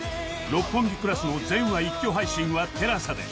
『六本木クラス』の全話一挙配信は ＴＥＬＡＳＡ で